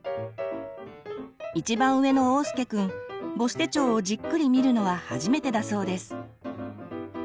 一番上のおうすけくん母子手帳をじっくり見るのは初めてだそうです。